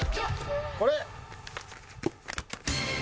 これ！